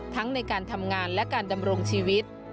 ทั้งในการทำงานและการดำรงชีวิต